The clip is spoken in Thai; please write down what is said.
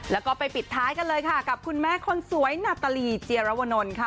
แล้วก็ไปปิดท้ายกันเลยค่ะกับคุณแม่คนสวยนาตาลีเจียรวนลค่ะ